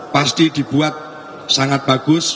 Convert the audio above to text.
pasti dibuat sangat bagus